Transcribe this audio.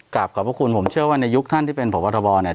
ขอบพระคุณผมเชื่อว่าในยุคท่านที่เป็นพบทบเนี่ย